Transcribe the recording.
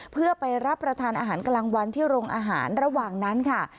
เพื่อไปรับประทานอาหารกลางวันที่โรงอาหารระหว่างนั้นค่ะ